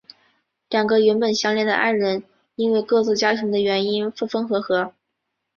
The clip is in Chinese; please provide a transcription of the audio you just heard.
两个原本相恋的爱人因为各自家庭的原因分分合合。